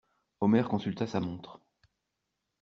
Omer consulta sa montre.